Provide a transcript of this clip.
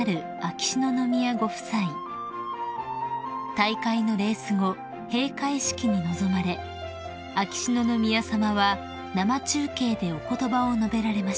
［大会のレース後閉会式に臨まれ秋篠宮さまは生中継でお言葉を述べられました］